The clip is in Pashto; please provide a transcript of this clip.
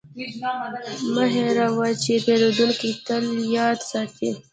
مه هېروه چې پیرودونکی تل یاد ساتي.